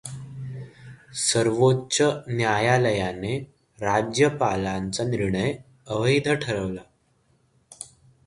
सर्वोच्च न्यायालयाने राज्यपालांचा निर्णय अवैध ठरवला.